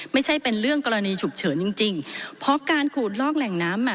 ไม่ใช่เป็นเรื่องกรณีฉุกเฉินจริงจริงเพราะการขูดลอกแหล่งน้ำอ่ะ